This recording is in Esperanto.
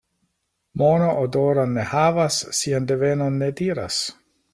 Mono odoron ne havas, sian devenon ne diras.